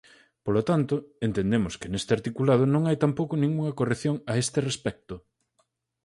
Polo tanto, entendemos que neste articulado non hai tampouco ningunha corrección a este respecto.